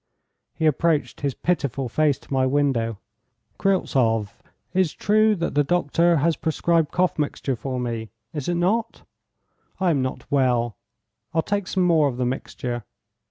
He approached his pitiful face to my window. 'Kryltzoff, it's true that the doctor has prescribed cough mixture for me, is it not? I am not well. I'll take some more of the mixture.